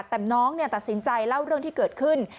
แต่น้องตัดสินใจเล่าเรื่องที่เกิดขึ้น